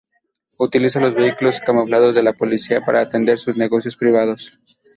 Utiliza los vehículos camuflados de la Policía para atender sus negocios privados.